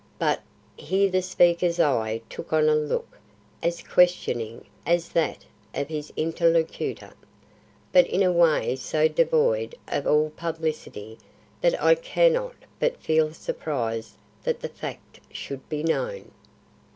But " here the speaker's eye took on a look as questioning as that of his interlocutor "but in a way so devoid of all publicity that I cannot but feel surprised that the fact should be known."